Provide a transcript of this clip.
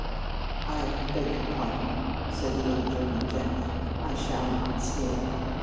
"I beg your pardon," said the young German gently. "I shall not sneer.